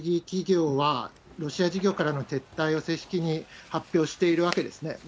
企業は、ロシア事業からの撤退を正式に発表しているわけですね。